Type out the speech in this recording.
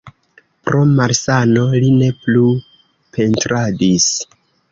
Pro malsano li ne plu pentradis.